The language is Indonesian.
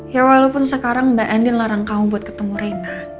ya walaupun sekarang mbak andi larang kamu buat ketemu rin